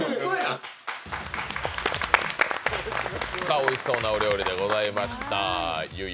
おいしそうなお料理でございました。